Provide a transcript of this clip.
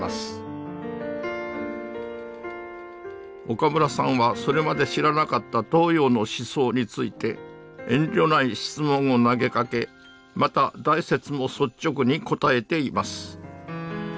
岡村さんはそれまで知らなかった東洋の思想について遠慮ない質問を投げかけまた大拙も率直にこたえています。